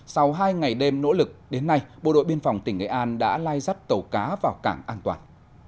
sau hai ngày đêm nỗ lực đến nay bộ đội biên phòng tỉnh nghệ an đã lai dắt tàu cá vào cảng an toàn